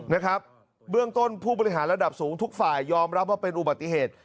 นะครับเบื้องต้นผู้บริหารระดับสูงทุกฝ่ายยอมรับว่าเป็นอุบัติเหตุ